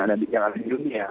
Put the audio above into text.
ada di amerika